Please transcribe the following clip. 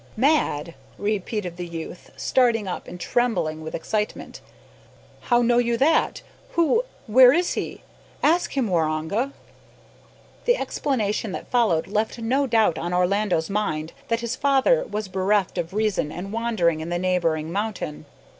"Mad!" repeated the youth, starting up and trembling with excitement "how know you that? Who where is he? Ask him, Waroonga." The explanation that followed left no doubt on Orlando's mind that his father was bereft of reason, and wandering in the neighbouring mountain.